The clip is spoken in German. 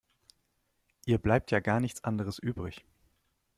Ihr bleibt ja gar nichts anderes übrig.